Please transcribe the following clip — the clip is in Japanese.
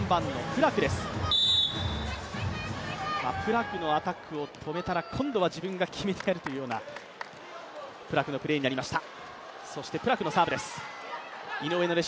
プラクのアタックを止めたら今度は自分が決めてやるというプラクのプレーになりました。